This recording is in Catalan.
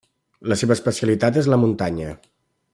La seva especialitat és la muntanya.